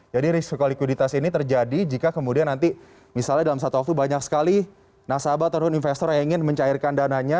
jadi risiko likuiditas ini terjadi jika kemudian nanti misalnya dalam satu waktu banyak sekali nasabah atau investor yang ingin mencairkan dananya